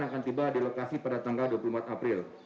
akan tiba di lokasi pada tanggal dua puluh empat april